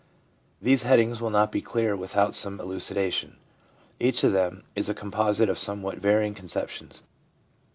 These headings will not be clear without some eluci dation. Each of them is a composite of somewhat varying conceptions.